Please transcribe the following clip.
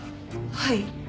はい。